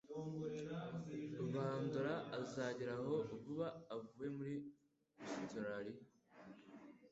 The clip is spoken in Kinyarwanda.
Bandora azagera hano vuba avuye muri Ositaraliya